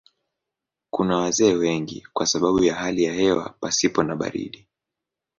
Kuna wazee wengi kwa sababu ya hali ya hewa pasipo na baridi.